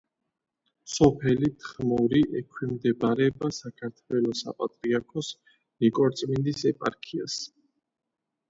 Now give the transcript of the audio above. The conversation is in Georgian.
სოფელი თხმორი ექვემდებარება საქართველოს საპატრიარქოს ნიკორწმინდის ეპარქიას.